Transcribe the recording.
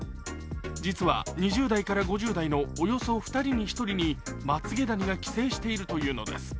実は２０代から５０代のおよそ２人に１人がまつげダニが寄生しているというのです。